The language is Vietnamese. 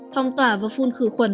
phong tỏa và phun khử khuẩn